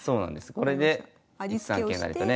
これで１三桂成とね。